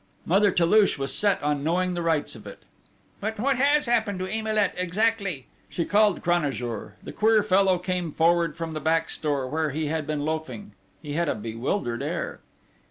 Mother Toulouche was set on knowing the rights of it: "But what has happened to Emilet exactly?" She called Cranajour. The queer fellow came forward from the back store, where he had been loafing: he had a bewildered air.